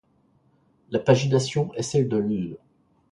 La pagination est celle de l'.